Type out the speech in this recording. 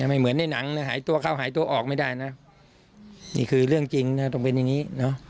ไม่เหมือนในหนังเลยหายตัวเข้าหายตัวออกไม่ได้นะนี่คือเรื่องจริงนะต้องเป็นอย่างนี้เนอะ